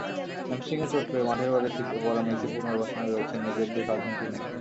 হ্যামস্ট্রিংয়ে চোট পেয়ে মাঠের বাইরে ছিটকে পড়া মেসি পুনর্বাসনে রয়েছেন নিজের দেশ আর্জেন্টিনায়।